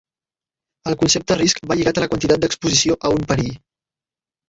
El concepte risc va lligat a la quantitat d'exposició a un perill.